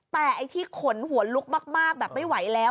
แต่ไอ้ที่ขนหัวลุกมากแบบไม่ไหวแล้ว